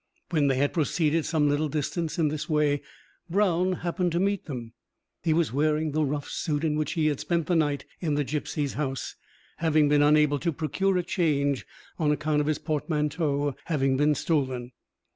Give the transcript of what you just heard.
When they had proceeded some little distance in this way, Brown happened to meet them. He was wearing the rough suit in which he had spent the night in the gipsy's house, having been unable to procure a change on account of his portmanteau having been stolen.